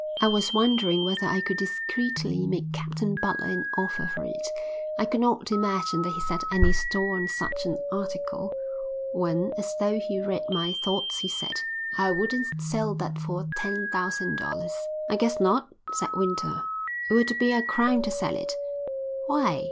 I was wondering whether I could discreetly make Captain Butler an offer for it, I could not imagine that he set any store on such an article, when, as though he read my thoughts, he said: "I wouldn't sell that for ten thousand dollars." "I guess not," said Winter. "It would be a crime to sell it." "Why?"